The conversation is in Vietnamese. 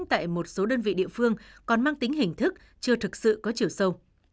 tại một số đơn vị địa phương còn mang tính hình thức chưa thực sự có chiều sâu